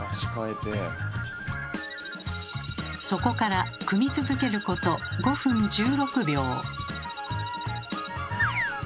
そこから組み続けること５分１６秒。